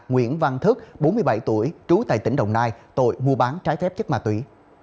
nguyễn văn thức bốn mươi bảy tuổi trú tại tỉnh đồng nai tội mua bán trái phép chất ma túy